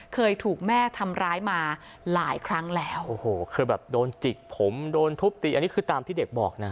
เคยถูกแม่ทำร้ายมาหลายครั้งแล้วโอ้โหคือแบบโดนจิกผมโดนทุบตีอันนี้คือตามที่เด็กบอกนะ